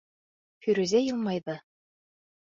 Фирүзә йылмайҙы.